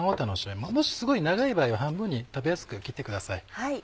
もしすごい長い場合は半分に食べやすく切ってください。